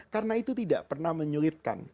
karena itu tidak pernah menyulitkan